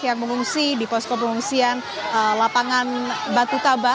yang mengungsi di posko pengungsian lapangan batu taba